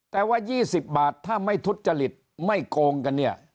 แต่ว่า๒๐บาทถ้าไม่ทุจริตไม่โกงกันเนี่ย